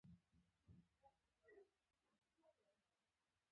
دا ازادي نامحدوده نه ده محدوده ده.